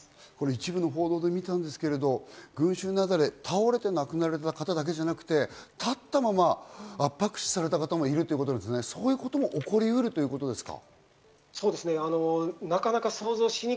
一部の報道で見たんですが、倒れて亡くなられた方だけでなく、立ったまま圧迫死された方もいる、そういうことも起こりうるということですか？